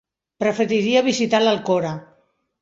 Preferiria visitar l'Alcora.